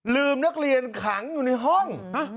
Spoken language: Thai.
นักเรียนขังอยู่ในห้อง